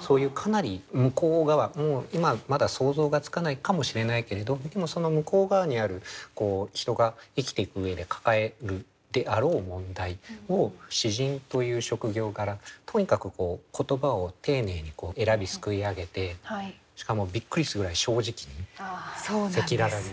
そういうかなり向こう側今はまだ想像がつかないかもしれないけれどその向こう側にある人が生きていく上で抱えるであろう問題を詩人という職業柄とにかく言葉を丁寧に選びすくい上げてしかもびっくりするぐらい正直に赤裸々に。